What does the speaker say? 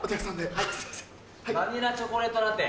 はいバニラチョコレートラテ。